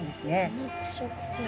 腐肉食性。